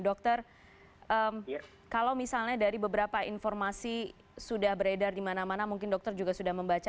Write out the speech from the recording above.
dokter kalau misalnya dari beberapa informasi sudah beredar di mana mana mungkin dokter juga sudah membaca